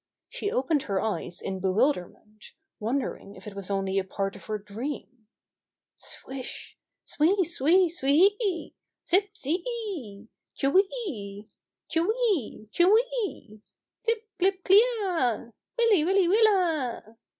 She opened her eyes in bewilderment, wondering if it was only a part of her dream. Swish I Sweah sweah swe e e ! Zip zee e I Che wee e! Che wee! Che wee 1 Clip clip clea a! Willi willi willa!